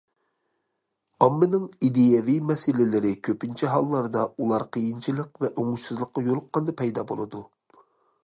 ئاممىنىڭ ئىدىيەۋى مەسىلىلىرى كۆپىنچە ھاللاردا ئۇلار قىيىنچىلىق ۋە ئوڭۇشسىزلىققا يولۇققاندا پەيدا بولىدۇ.